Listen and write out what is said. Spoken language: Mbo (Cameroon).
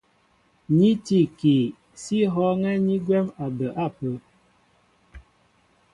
Ní tí ikii, sí hɔ̄ɔ̄ŋɛ́ ni gwɛ̌m a bə ápə̄.